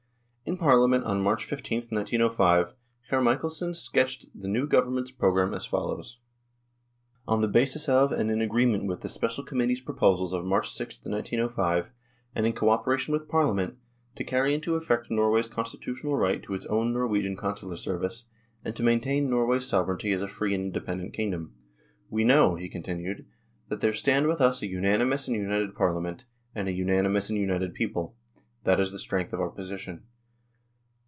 In Parliament on March 15, 1905, Hr. Michelsen sketched the new Government's programme as follows :" On the basis of and in agreement with the Special THE POLITICAL SITUATION 85 Committee's proposals of March 6, 1905, and in co operation with Parliament, to carry into effect Norway's constitutional right to its own Norwegian Consular service, and to maintain Norway's sovereignty as a free and independent kingdom." " We know," he continued, " that there stand with us a unanimous and united Parliament, and a unanimous and united people. That is the strength of our position.